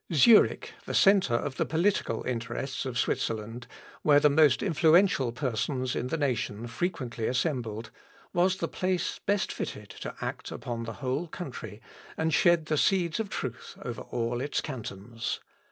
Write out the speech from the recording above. Zurich, the centre of the political interests of Switzerland, where the most influential persons in the nation frequently assembled, was the place best fitted to act upon the whole country, and shed the seeds of truth over all its cantons.